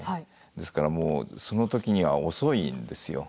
ですからもうその時には遅いんですよ。